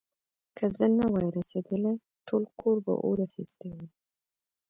که زه نه وای رسېدلی، ټول کور به اور اخيستی و.